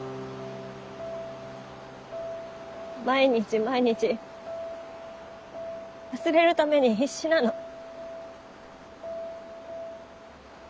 毎日毎日忘れるために必死なの。